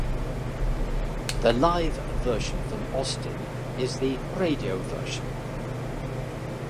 The live version from Austin is the radio version.